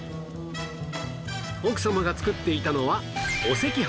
奥様が作っていたのはお赤飯